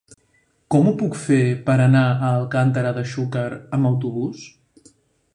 Com ho puc fer per anar a Alcàntera de Xúquer amb autobús?